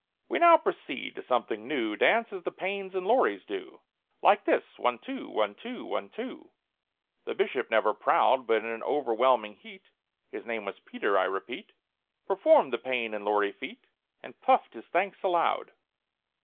"We now proceed to something new— Dance as the PAYNES and LAURIS do, Like this—one, two—one, two—one, two." The Bishop, never proud, But in an overwhelming heat (His name was PETER, I repeat) Performed the PAYNE and LAURI feat, And puffed his thanks aloud.